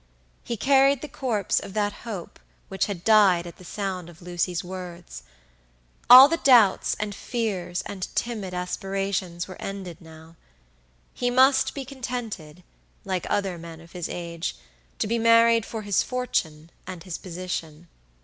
He carried the corpse of that hope which had died at the sound of Lucy's words. All the doubts and fears and timid aspirations were ended now. He must be contented, like other men of his age, to be married for his fortune and his position.